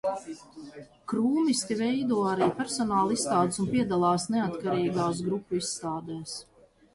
Krūmisti veido arī personālizstādes un piedalās neatkarīgās grupu izstādēs.